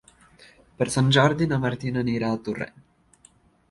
Per Sant Jordi na Martina anirà a Torrent.